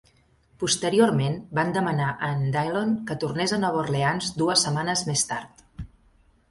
Posteriorment van demanar a en Dillon que tornés a Nova Orleans dues setmanes més tard.